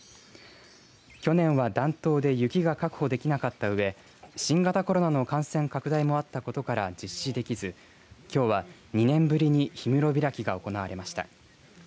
去年は暖冬で雪が確保できなかったうえ新型コロナの感染拡大もあったことから実施できず、きょうは２年ぶりに氷室開きが行われました。